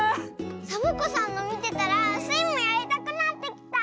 サボ子さんのみてたらスイもやりたくなってきた！